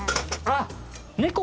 あっ！